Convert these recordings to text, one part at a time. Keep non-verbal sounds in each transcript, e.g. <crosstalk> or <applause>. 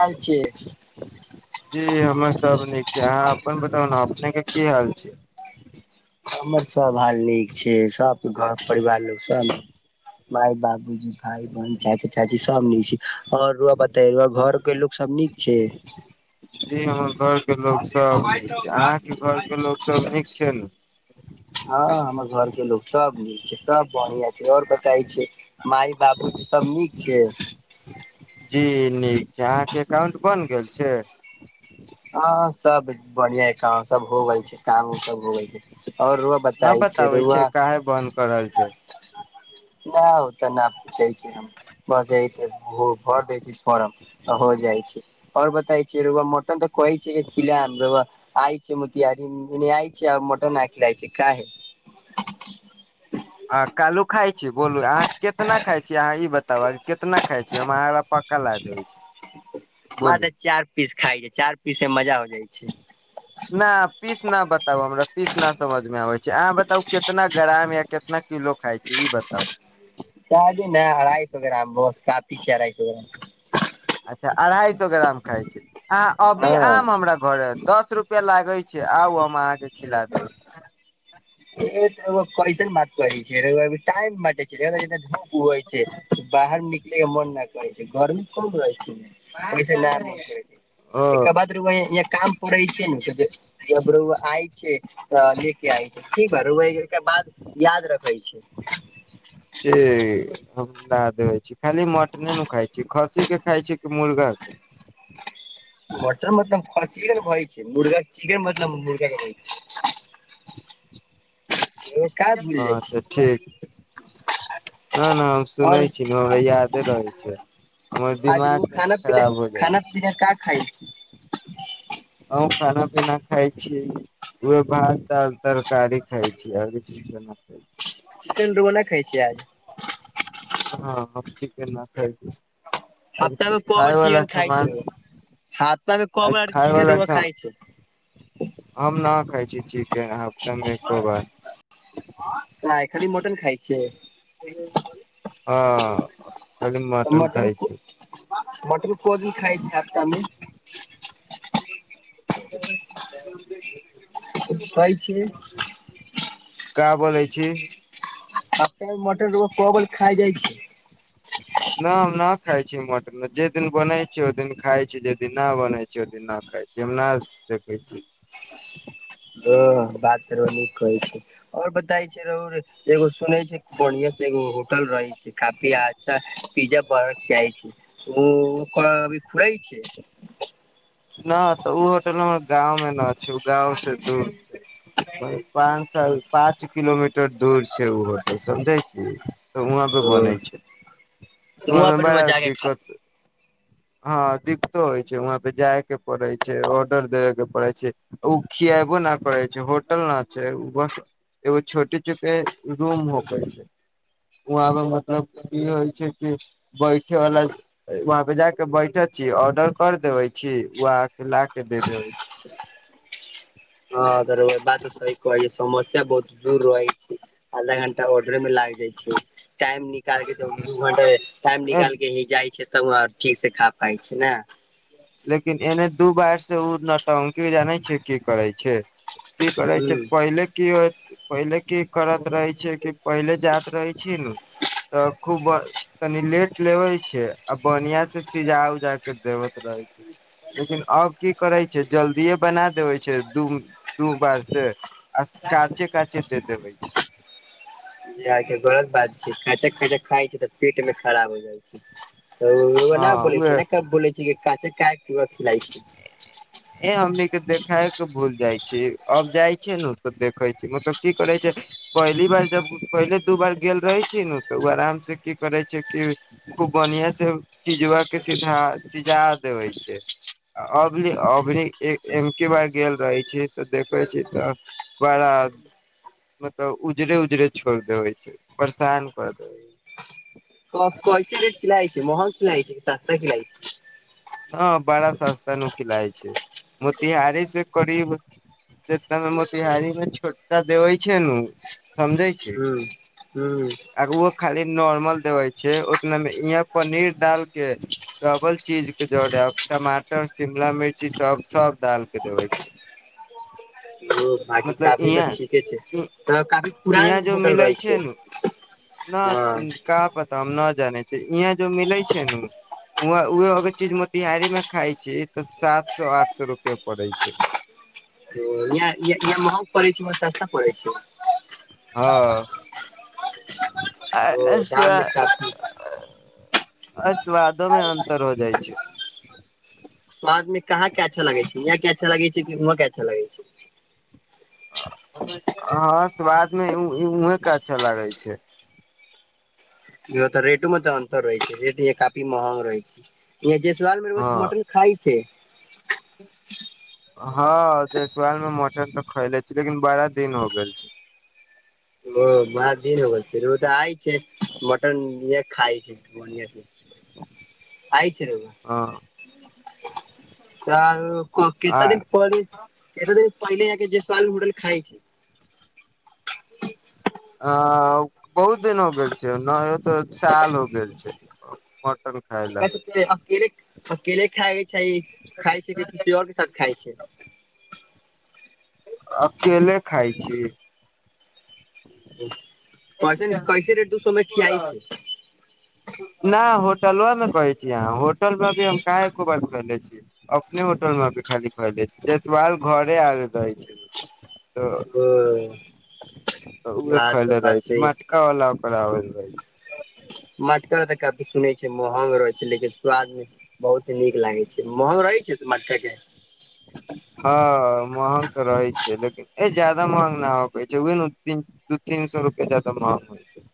चल छै जी हमर सब नीक छै अहाँ अपन बताउ ने अपने के की हाल छय हमर सब हाल नीक छय सबके घर परिवार लोक सब माय बाबूजी भाय बहिन चाची चाची सब नय छै आओरु बतेइ रुआ घर के लोग सब नीक छय जी हमर घर के लोक सब नीक छै अहाके घर के लोको सब नीक छै ने हँ हमर घर के लोग सब नीक छै सब बढ़ियां छै ओर बताई छै माय बाबूजी सब नीक छय जी नीक छै अहाँके एकाउंट बइन गेल छै ह सब बढ़िया ह क सब हो गेल छै काम उ सब हो गेल छै ओर न बताबै छै काहे बन्द कऽ रहल छै न ओ तऽ न पूछै छै बस भर दै छै फरम हो जाइ छै ओर बताय छी रोआ मटन तऽ कहै छै खिल ल बाबा आइ छै म त अर आय छै आ मट न खिल लइ छै क ह <inaudible> आ कालू खाय छी बोलू अहाँ कितना खाइ छी अहाँ ई बताब कितना खाय छी हम अहाँ पक्का ला देबै छी बोलू तऽ चार पीस खाय छै चार पीस में मजा हो जाइ छै न पीस न बताउ हमरा पीस न समझ में आबै छै अहाँ बताउ के कितना ग्राम या कितना किलो खाई छी ई बताउ ताजी नय अढ़ाइ सए गैराम बस काफी छै अढ़ाइ सएै अच्छा अढ़ाई सए ग्राम खाइ छी अहाँ अभी हँ आम हमरा घर दस रुपमे रुपे लागै छय आउ हम अहाँके खिला दे ए तऽ क्वइसन मात कहै छय टाइम छय झ छै बाहर निकले के मन न करै छै गर्मी कम रहै छै ओहिस नय मन कर छै ओ एका बाद काम पड़े छै ने तऽ जब आय छै तऽ ले के आ छै ठ ह रुके बाद याद रखै छी से हम ल देबे छी खाली मटने न खाय छी खस्सी के खाय छी कि मुर्गा के मटर मतलब चन कहइ छै मुर्गा चिकन मतलब मुर्गाे छै ओ क भूल जाइ अच्छा छय ठीक नय नय हम और सुनै छी न हमरा यादे रहै छै हमर आज रउआ दिमाग तनि खाना पीना खराब हो जाइ खाना छै का खाई छी <unintelligible> <inaudible> अ खाना पीना खाय छीयै भात दाल तरकारी खाय छी आर कछो खा छय चिकेन रोग नय खइ छ आज हम चिकेन न खाय छी अ हफ्ता खायवला सामान हपता कऽ बरा खाय चिकन वाला रोवा सा खाय छय हम ना खाई छी चिकेन हफ्ता में एको बार नय खाली मटन खाइ छै हँ ऐखन मटन खाय छी बटर कोज भी खाइ छै आमे <unintelligible> कहइ छय का बोलै छी त त मटन रोग को ब खाय जाइ छी <unintelligible> <unintelligible> न हम न खाय छी मटन जे दिन बने छै ओ दिन खाय छी जे दिन न बने छै ओ दिन न खाय छै जेना देखै छी ओ बात रो नीक कहै छय ओर बताय छै रहु एगो सुनै छै पूर्या से एगो होटल रहै छै काफी अच्छा पिज्जा ब खआइ छय ओ ओ अभी फुरै छै नय तऽ ओ होटल हम गाँंव मे न छै ओ गाँंव से दूर पाँच साल पाँच किलोमीटर दूर छय ओ होटल समझै छी तऽ वहाँ पे ओ बनै छै वहाँ में पर रौआ बड़ा जाके खा दिक्कत हँ दिक्कतो होइ छै वहाँ पे जाय के पड़ै छय ऑर्डर देबे के पड़ै छै ओ खियाबो न करै छै होटल न छय बस एगो छोटे चुके रूम होके छय वहाँ मतलब ई होइ छय कि बैठे वला वहा पे जाके बैठे छी ऑर्डर कर देवे छी ओ आके ला के दे देबै हँ त र ब तऽ सह कह छै समस्या बहुत दूर रहइ छय <inaudible> आधा घंटा ऑर्डर में लाग जाइ छै टाइम नि निकके त दू घंटाे टाइम छै। निकाल के ही जाइ छै तब ठीक से खा पाइ छै ने <inaudible> लेकिन एने दू बार से ओ नौटंकी जानै छै की करै छै की करै छय पहिले की होत पहिले की करत रहै छय कि पहिले जाइत रहै छी ने तऽ खूब तनि लेट लेबे छै आ बढ़िया से सिजा उजा के देबत रहे छय लेकिन अब की करै छय जल्दिए बना देबै छै दू बार से आ काँचे काँचे दे देबे छय इह गलत बात छै खाचा खाचा खाइ छै तऽ पेट मे खराब हो जाइ छय त हँ न बोै छ उहे न क बोलै छै क क की खिराइ छै <inaudible> हं ए हमने देखाय के भूल जाइ छी अब जाइ छै ने देखे छी मतलब की करै छय पहली बार जब पहिले दू बार गेल रहे छै न तऽ ओ आराम से की करै छय कि खूब बढ़िया से चिजवा के सीधा सिझा देबे छय अभ अभी एम के बार गेल रहै छी तऽ देखै छी तऽ बड़ा <inaudible> मतलब उजरे उजरे छोड़ देवे छै परेशान कर देवे छै तब कैसे रेट खिलाई होइ छै महंग खिलाई छै कि सस्ता खिलाई छै ह बड़ा सस्ता नु खिलय छै मोतिहारी से करीब जेतमे मोतिहारी मे छोटका देवय छै नु समझै छै ह <inaudible> खाली नॉर्मल देवे छै उतना मे यहा पनीर डाल के डबल चीज जड़े टमाटर शिमला मिर्ची सब सब डाल के देवे छै ह बाकी मतलब काफी तऽ इहाँ ठीके छै त काफी इहाँ पुरान जो होटल मिले रहै छै न न हँ क पता हम न जानै छ इहाँ जो मिलै छै नु वेहे वे अगर चीज मोतिहारी में खाय छी तऽ सात सौ आठ सौ रुपआ पड़े छै यहाँ यहाँ महग पड़ै छै उम्हर सस्ता पड़ै छै हँ आ ओ <unintelligible> दाम मे काफी आ <inaudible> स्वादो मे अंतर हो जाइ छै स्वाद मे कहाँ के अच्छा लगे छै यहाँ क अच्छा लगे छै कि हुआ का अच्छा लगे छै हँ स्वाद मे उ उहे के अच्छा लागै छै इ तऽ रेटो मे तऽ अंतर रहै छै रेट य काफी महग रहै छै यह जे साल हँ मटन खाइ छै हँ जयसवाल में मटन तऽ खैले छी लेकिन बारा दिन हो गेल छै ओ बारा दिन होग छै र तऽ आइ छै मटन इ खइ छै बढ़आ से हँ <unintelligible> आ कतना दिन पहले कतना दिन पहले जाए के जयसवाल में मटन खाइ छै अ बहुत दिन हो गेल छै उना तो साल हो गेल छै मटन खाय ला केकरा साथे अकेले अकेले खायके छै खाइ छै कि किसी और के साथ खाइ छै अकेले खाइ छी <inaudible> कैस ने कैसे रे दू सौ मे खिआए छै नहि होटलो वा में कहै छी अहाँ होटल मे अभी हम कहाँ एको बार खाइने छी अपने होटल मे अभी खाली खयले छी जयसवाल घरे आयल रहै छै <unintelligible> तऽ ओ तऽ खैले बात रहै छै सही मटका वाला ओकरा आबै रहै छै मटका वाल त काफी कभी सुनै छै महंग रहै छै लेकिन स्वाद म बहुत नीक लागै छै महंग रहै छै स मटका के हँ महंग तऽ रहै छै लेकिन ए ज ज्यादा महंग न होके छै ओ ती दू तीन सो रुपआ ज्यादा महंग होइ छै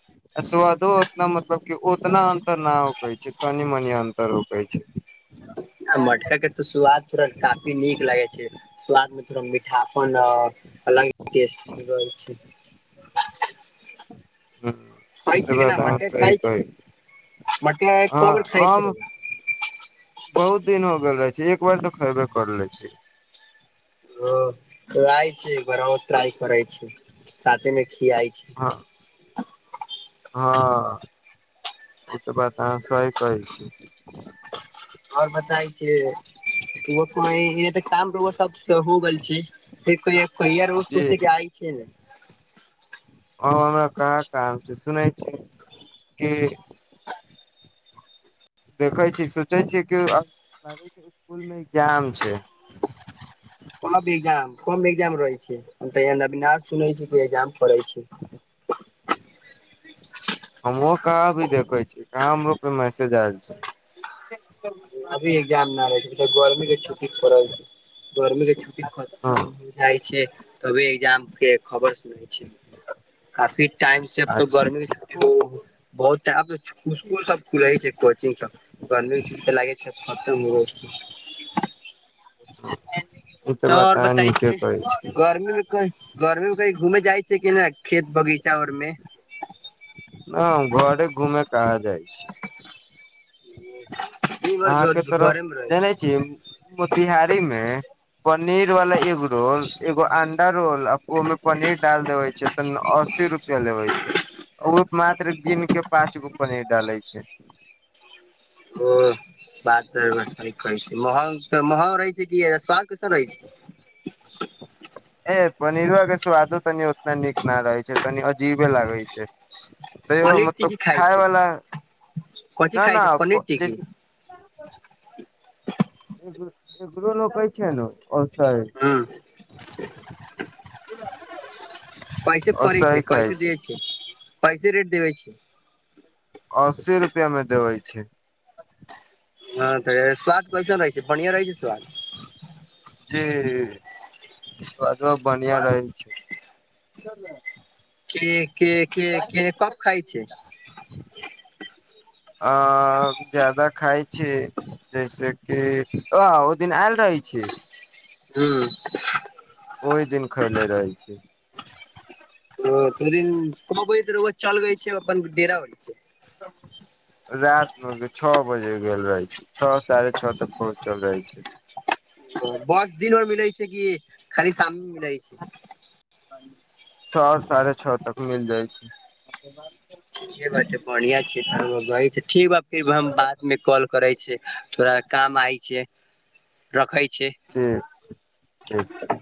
स्वादो उतना मतलब क उतना अंतर न होकै छै कनी मनि अन्तर होकै छै <inaudible> आ मटका के तो स्वाद थोरा काफी नीक लागे छै स्वाद में थोड़ा मि मिठापन और अलग टेस्ट रहै छै हं ई खाइ त बात अहां सही कहै मटि वाल कौ बेर खाइ छै बहुत दिन हो गेल रहै छै एक बार तऽ खैबे करले छी ह लाइ है <unintelligible> साथ मे खिआइ छै हँ हँ ई तऽ बात इ बात त अहाँ सही कहै छी और बताै छै को त काम रौअसब सब हो गेल छै क कैयार वस्तु जी छै कि आइ छै अब हमरा कहाँ काम छै सुनै छी <inaudible> कि देखै छी सोचै छी कि उ ताबेतक ओ स्कुल मे एग्जाम छै कम ए्जाम कम एग्जाम रहै छै सुनै छी एजाम करै छी <inaudible> हमहु कहाँ भी देखे छीयै कहाँ हमरोपे मैसेज आयल छै <unintelligible> अभी एग्जाम नहि रहै छै प गर्मी के छुट्टी पड़ल छै गर्मी के छुटटी ख हँ जाइ छै तभी एकजाम के खबर सुनै छै काफी टाइम से अ तो अच्छा गर्मी छै। बहुत टा आब त छु स्कुल सब खुले छै कोचिंग सब गर्मी के छुट्टी लागे छा खतम हो छै ई तऽ बात आओर आ बताय नीके छै कहै छै गर्मी मे कही गर्मी में कही घूमे जाय छै कि ने खेत बगीचा र में न हम घरे घुमे कहां जाइ छी ची अहाँके तरफ मे रहै छै छीय मोतिहारी मे पनीर वाला एगो रोल एगो अंडा रोल ओमें पनीर डाल देवे छै त अस्सी रुपये प लेबे छै ओ मात्र गिन के पाँच गो पनीर डाले छै ओ बात सहि कहै छै महग रहै छै कि स्वाद कैसन रहै छै ए पनीरो के स्वादो तनि उतना नीक न रहे छै तनी अजीबे लागै छै तैयौ पनीर मतलब टिकी खाइ खाय छै वला कथी न खाइ न छै पनीर प टिकी जैसे एकरो एकरो लोक कहै छै नु ओहिसही ह अछि <inaudible> कैसे पड़ै छै कैसे दै छै कैसे रेट देबै छै अस्सी रुपआ में देवे छै हँ तऽ स्वाद कैसन रहै छै बढ़िया रहै छै स्वाद जी बढ़ीया रहै छै के के के के कब खाय छै अ ज्यादा खाय छै जैसे कि अ ओ दिन आयल रहै छै हू ओहि दिन खैले रहै छियै ओ दिन कहबै त रउआ चलबै छै अपन डेरा होयं छै <inaudible> राति मे के छौ बजे गेल रहै छै छौ साढ़े छौ तक पहुँचल जाइ छै बस दिन भर मिलैत छै कि खाली शाम मे मिलैत छै छौ साढ़े छौ तक मिल जाय छै <unintelligible> बढ़िया छै ठीक फिर हम बात मे कॉल करे छियै थोड़ा काम आय छियै रखै छियै ठीक ठीक